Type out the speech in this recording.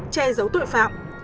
che giấu tội phạm